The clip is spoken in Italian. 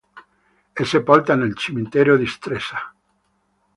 È sepolta nel cimitero di Stresa.